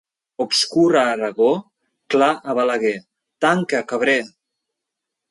Obscur a Aragó, clar a Balaguer: tanca, cabrer!